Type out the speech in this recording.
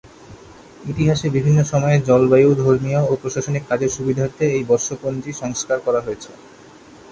ইতিহাসে বিভিন্ন সময়ে জলবায়ু, ধর্মীয় ও প্রশাসনিক কাজের সুবিধার্থে এই বর্ষপঞ্জী সংস্কার করা হয়েছে।